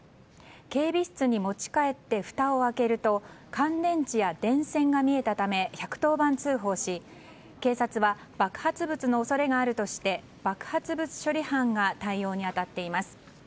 警備室に持ち帰ってふたを開けると乾電池や電線が見えたため１１０番通報し警察は爆発物の恐れがあるとして爆発物処理班が対応に当たっています。